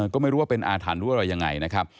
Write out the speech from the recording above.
ก็ไม่รู้ว่าเป็นอาถรรพ์หรืออะไรยังไงนะครับ